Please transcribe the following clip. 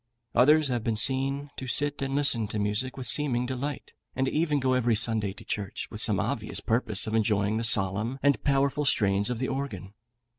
Others have been seen to sit and listen to music with seeming delight, and even to go every Sunday to church, with the obvious purpose of enjoying the solemn and powerful strains of the organ.